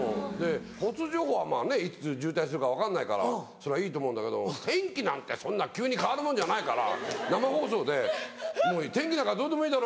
交通情報はまぁねいつ渋滞するか分かんないからそりゃいいと思うんだけど天気なんてそんな急に変わるもんじゃないから生放送で「天気なんかどうでもいいだろ。